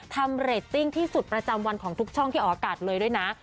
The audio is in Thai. เรตติ้งที่สุดประจำวันของทุกช่องที่ออกอากาศเลยด้วยนะ